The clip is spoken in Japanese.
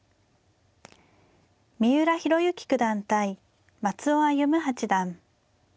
三浦弘行九段対松尾歩八段。